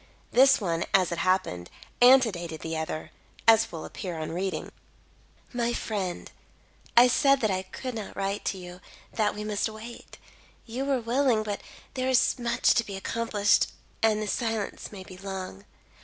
This one, as it happened, antedated the other, as will appear on reading it: "My friend: "I said that I could not write to you that we must wait. You were willing; but there is much to be accomplished, and the silence may be long.